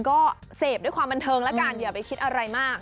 ก็เสพด้วยความบันเทิงแล้วกันอย่าไปคิดอะไรมาก